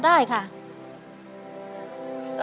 สู้ครับ